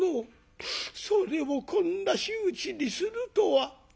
それをこんな仕打ちにするとは。